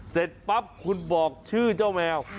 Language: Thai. เสร็จปั๊บคุณบอกชื่อเจ้าแมว